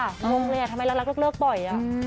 งงเลยทำไมรักเลิกบ่อย